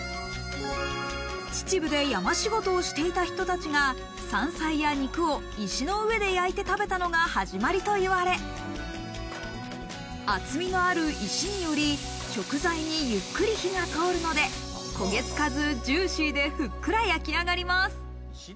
秩父で山仕事をしていた人たちが山菜や肉を石の上で焼いて食べたのが始まりと言われ、厚みのある石により、食材にゆっくり火が通るので、焦げつかずジューシーでふっくら焼き上がります。